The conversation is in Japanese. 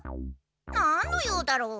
なんの用だろう？